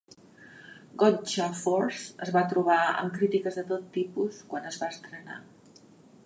"Gotcha Force" es va trobar amb crítiques de tot tipus quan es va estrenar.